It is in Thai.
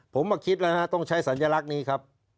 ผมมาคิดแล้วฮะต้องใช้สัญลักษณ์นี้ครับ